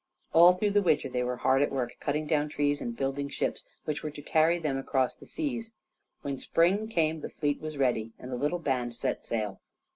All through the winter they were hard at work cutting down trees and building ships, which were to carry them across the seas. When spring came the fleet was ready, and the little band set sail.